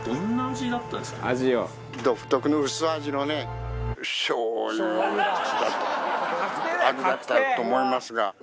独特の薄味のねしょうゆ味だったと思いますが。